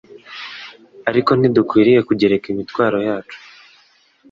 Ariko ntidukwiriye kugereka imitwaro yacu